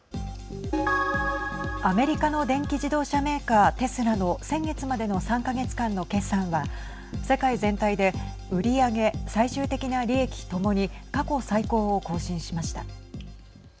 アメリカの電気自動車メーカーテスラの先月までの３か月間の決算は世界全体で売り上げ最終的な利益ともに過去最高を更新しました。